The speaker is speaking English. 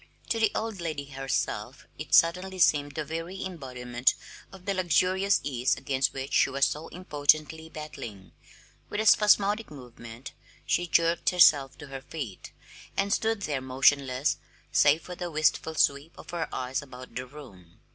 To the old lady herself it suddenly seemed the very embodiment of the luxurious ease against which she was so impotently battling. With a spasmodic movement she jerked herself to her feet, and stood there motionless save for the wistful sweep of her eyes about the room.